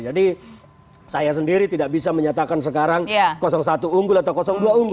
jadi saya sendiri tidak bisa menyatakan sekarang satu unggul atau dua unggul